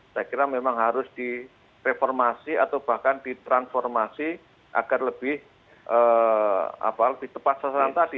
saya kira memang harus direformasi atau bahkan ditransformasi agar lebih tepat sasaran tadi